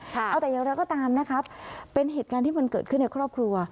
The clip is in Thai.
เอาแต่อย่างไรก็ตามนะครับเป็นเหตุการณ์ที่มันเกิดขึ้นในครอบครัว